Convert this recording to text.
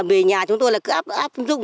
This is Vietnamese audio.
về nhà chúng tôi là cứ áp dụng